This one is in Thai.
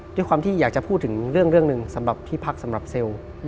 ด้วยความที่อยากจะพูดถึงเรื่องหนึ่งสำหรับที่พักสำหรับเซลล์